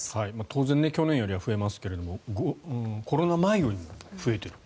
当然去年よりは増えますけどコロナ前よりも増えている。